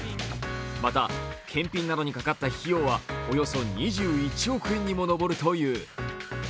また検品などにかかった費用はおよそ２１億円にも上るという。